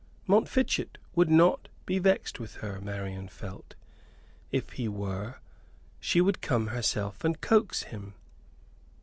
Montfichet would not be vexed with her, Marian felt. If he were, she would come herself, and coax him.